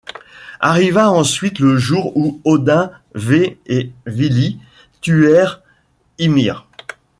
Arriva ensuite le jour où Odin, Vé et Vili tuèrent Ymir.